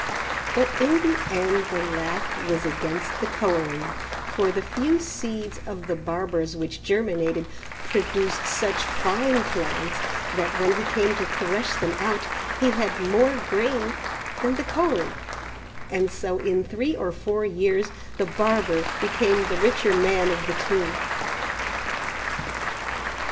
But in the end the laugh was against the Koeri, for the few seeds of the barber's which germinated, produced such fine plants that when he came to thresh them out he had more grain than the Koeri, and so in 3 or 4 years the barber became the richer man of the two.